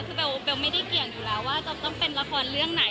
คือเบลไม่ได้เกี่ยงอยู่แล้วว่าจะต้องเป็นละครเรื่องไหน